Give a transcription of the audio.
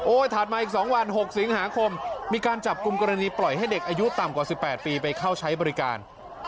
ถัดมาอีก๒วัน๖สิงหาคมมีการจับกลุ่มกรณีปล่อยให้เด็กอายุต่ำกว่า๑๘ปีไปเข้าใช้บริการ